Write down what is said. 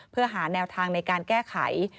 เพื่อหาแนวทางในการแก้ไข